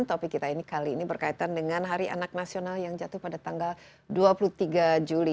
topik kita ini kali ini berkaitan dengan hari anak nasional yang jatuh pada tanggal dua puluh tiga juli